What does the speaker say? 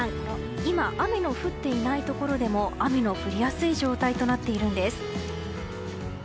今、雨の降っていないところでも雨の降りやすい状態となっているんです。